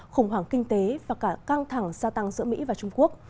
khủng hoảng kinh tế và cả căng thẳng gia tăng giữa mỹ và trung quốc